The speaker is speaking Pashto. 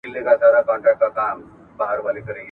تاسو به د خپل ذهن په روزنه کي هڅاند اوسئ.